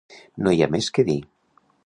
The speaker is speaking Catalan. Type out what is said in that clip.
No hi ha més que dir.